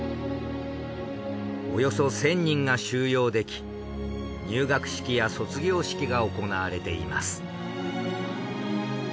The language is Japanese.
およそ１，０００人が収容でき入学式や卒業式が行われています。